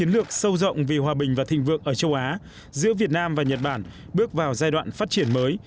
lượng sâu rộng vì hòa bình và thịnh vượng ở châu á giữa việt nam và nhật bản bước vào giai đoạn phát triển mới